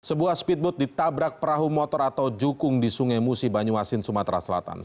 sebuah speedboat ditabrak perahu motor atau jukung di sungai musi banyuasin sumatera selatan